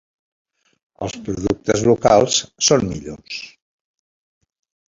Els productes locals són millors.